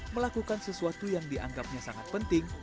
melakukan sesuatu yang dianggapnya sangat penting